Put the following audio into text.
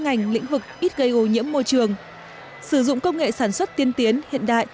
ngành lĩnh vực ít gây ô nhiễm môi trường sử dụng công nghệ sản xuất tiên tiến hiện đại